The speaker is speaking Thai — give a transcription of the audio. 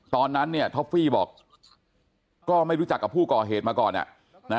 ตอนนั้นเนี่ยท็อฟฟี่บอกก็ไม่รู้จักกับผู้ก่อเหตุมาก่อน